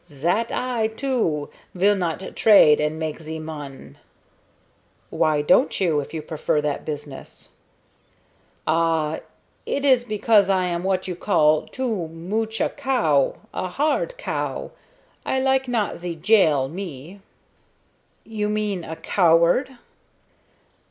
"Zat I, too, vill not trade and make ze mun." "Why don't you, if you prefer that business?" "Ah! It is because I am what you call too mooch a cow a hard cow. I like not ze jail, me." "You mean a coward?"